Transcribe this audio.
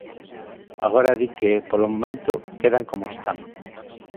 Agora di que, polo momento, quedan como están.